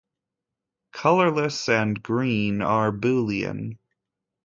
'Colorless' and 'green' are boolean.